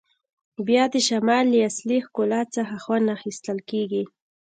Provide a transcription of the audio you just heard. بیا د شمال له اصلي ښکلا څخه خوند اخیستل کیږي